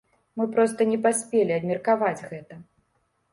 Мы проста не паспелі абмеркаваць гэта.